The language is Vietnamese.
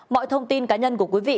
mọi thông tin cá nhân của quý vị